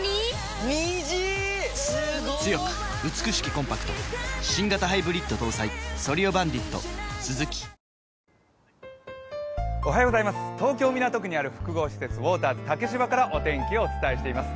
今日は東日本、北日本は晴れて東京・港区にある複合施設、ウォーターズ竹芝からお天気をお伝えしています。